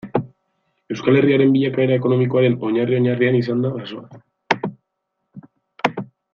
Euskal Herriaren bilakaera ekonomikoaren oinarri-oinarrian izan da basoa.